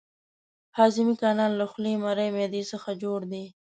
هضمي کانال له خولې، مرۍ، معدې څخه جوړ دی.